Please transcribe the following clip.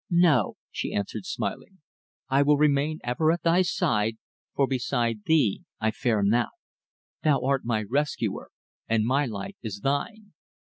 "No," she answered smiling. "I will remain ever at thy side, for beside thee I fear not. Thou art my rescuer, and my life is thine."